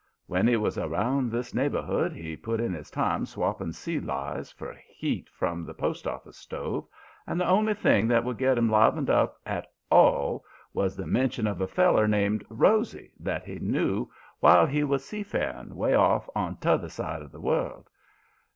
When he was around this neighborhood he put in his time swapping sea lies for heat from the post office stove, and the only thing that would get him livened up at all was the mention of a feller named 'Rosy' that he knew while he was seafaring, way off on t'other side of the world.